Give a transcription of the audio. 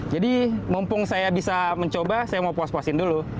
jadi mumpung saya bisa mencoba saya mau puas puasin dulu